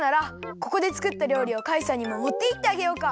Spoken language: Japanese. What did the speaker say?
ここでつくったりょうりをカイさんにももっていってあげようか。